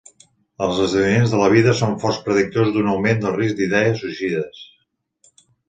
Els esdeveniments de la vida són forts predictors d'un augment del risc d'idees suïcides.